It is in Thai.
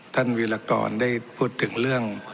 วิรากรได้พูดถึงเรื่อง